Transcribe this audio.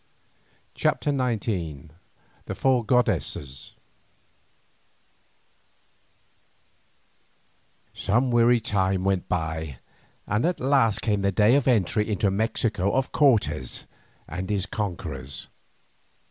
CHAPTER XIX THE FOUR GODDESSES Some weary time went by, and at last came the day of the entry into Mexico of Cortes and his conquerors.